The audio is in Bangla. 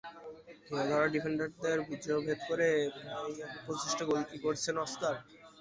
ঘিরে ধরা ডিফেন্ডারদের ব্যূহ ভেদ করে প্রায় একক প্রচেষ্টায় গোলটি করেছেন অস্কার।